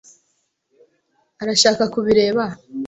Arashaka kubireba?